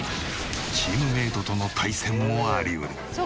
チームメイトとの対戦もあり得る。